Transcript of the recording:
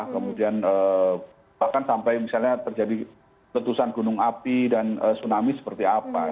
kemudian bahkan sampai misalnya terjadi letusan gunung api dan tsunami seperti apa